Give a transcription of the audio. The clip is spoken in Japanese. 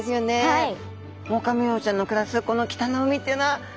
はい。